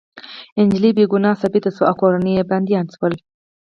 انجلۍ بې ګناه ثابته شوه او کورنۍ يې بندیان شول